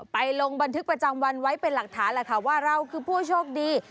ลงบันทึกประจำวันไว้เป็นหลักฐานแหละค่ะว่าเราคือผู้โชคดี